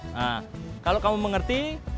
nah kalau kamu mengerti